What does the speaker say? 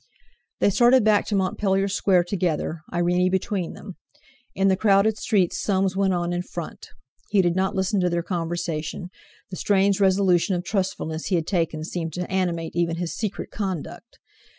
They started back to Montpellier Square together, Irene between them. In the crowded streets Soames went on in front. He did not listen to their conversation; the strange resolution of trustfulness he had taken seemed to animate even his secret conduct.